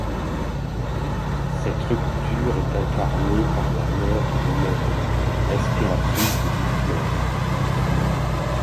Cette rupture est incarnée par la mort de Laure, l'inspiratrice de toute l'œuvre.